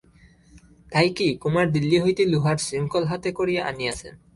তাই কি, কুমার দিল্লি হইতে লোহার শৃঙ্খল হাতে করিয়া আনিয়াছেন?